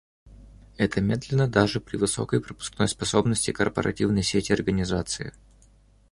Это медленно даже при высокой пропускной способности корпоративной сети организации